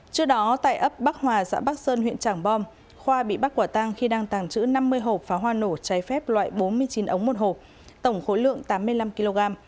trước đó tại ấp bắc hòa xã bắc sơn huyện trảng bom khoa bị bắt quả tang khi đang tàng trữ năm mươi hộp pháo hoa nổ trái phép loại bốn mươi chín ống một hộp tổng khối lượng tám mươi năm kg